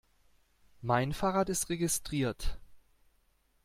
Mein Fahrrad ist registriert.